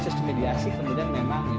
sampai dengan baik